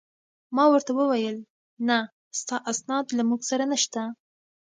ما ورته وویل: نه، ستا اسناد له موږ سره نشته.